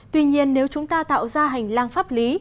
tuy nhiên nếu chúng ta tạo ra hành lang pháp lý